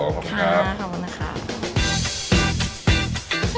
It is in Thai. ขอบคุณครับ